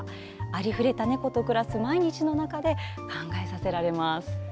ありふれた猫と暮らす毎日の中で考えさせられます。